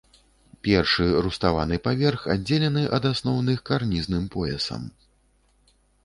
Першы руставаны паверх аддзелены ад асноўных карнізным поясам.